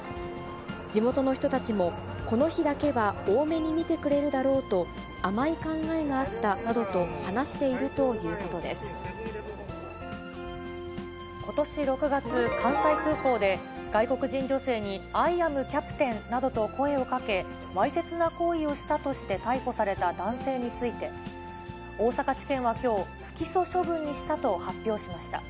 地元の人たちも、この日だけは大目に見てくれるだろうと、甘い考えがあったなどとことし６月、関西空港で、外国人女性にアイ・アム・キャプテンなどと声をかけ、わいせつな行為をしたとして逮捕された男性について、大阪地検はきょう、不起訴処分にしたと発表しました。